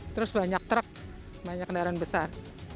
terus banyak truk banyak kendaraan besar